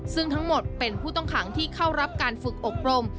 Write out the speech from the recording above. ซึ่งทั้งหมดเป็นผู้ต้องขังที่เข้ารับการฝึกอบรม